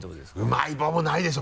「うまい棒」もないでしょ。